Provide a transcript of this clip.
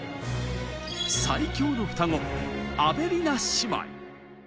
最強の双子アベリナ姉妹。